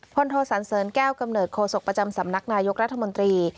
โทสันเสริญแก้วกำเนิดโคศกประจำสำนักนายกรัฐมนตรี